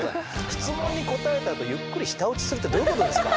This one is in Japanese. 質問に答えたあとゆっくり舌打ちするってどういうことですか？